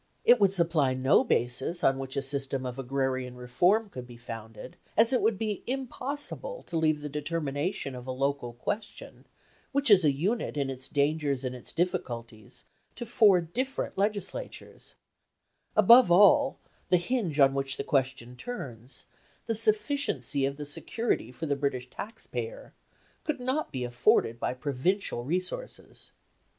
It would supply no basis on which a system of agrarian reform could be founded, as it would be impossible to leave the determination of a local question, which is a unit in its dangers and its difficulties, to four different Legislatures; above all, the hinge on which the question turns the sufficiency of the security for the British taxpayer could not be afforded by provincial resources.